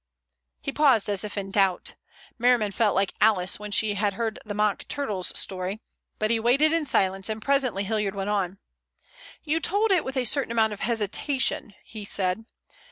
He paused as if in doubt. Merriman felt like Alice when she had heard the mock turtle's story, but he waited in silence, and presently Hilliard went on. "You told it with a certain amount of hesitation," he said.